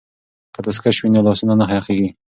که دستکش وي نو لاسونه نه یخیږي.